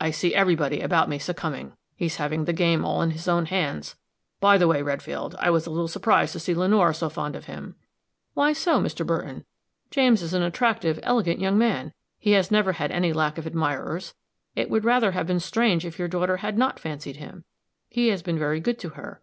I see everybody about me succumbing. He's having the game all in his own hands. By the way, Redfield, I was a little surprised to see Lenore so fond of him." "Why so, Mr. Burton? James is an attractive, elegant young man; he has never had any lack of admirers. It would rather have been strange if your daughter had not fancied him. He has been very good to her."